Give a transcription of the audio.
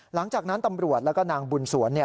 หลังจากนั้นตำรวจแล้วก็นางบุญสวน